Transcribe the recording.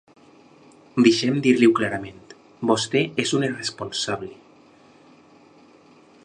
Deixi’m dir-li-ho clarament: vostè és un irresponsable.